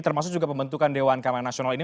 termasuk juga pembentukan dewan keamanan nasional ini